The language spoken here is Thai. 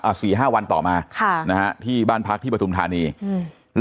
สี่ห้าวันต่อมาค่ะนะฮะที่บ้านพักที่ปฐุมธานีอืม